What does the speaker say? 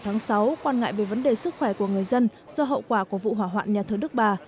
tháng sáu quan ngại về vấn đề sức khỏe của người dân do hậu quả của vụ hỏa hoạn nhà thờ đức bà